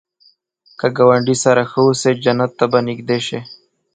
که ګاونډي سره ښه اوسې، جنت ته به نږدې شې